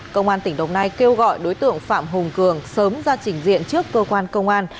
công an tỉnh đồng nai kêu gọi đối tượng phạm hùng cường sớm ra trình diện trước cơ quan công an